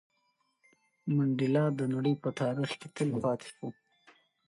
منډېلا د نړۍ په تاریخ کې تل پاتې شو.